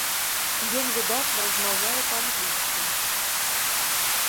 Ён выдатна размаўляе па-англійску.